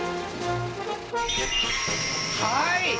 「はい！」